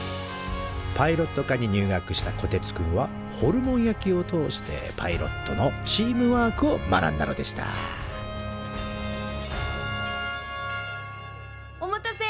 パイロット科に入学したこてつくんはホルモン焼きを通してパイロットのチームワークを学んだのでしたお待たせ！